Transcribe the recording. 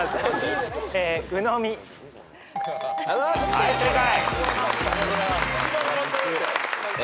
はい正解。